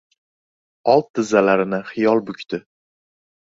Old tizzalarini xiyol bukdi.